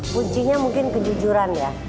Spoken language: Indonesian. pujinya mungkin kejujuran ya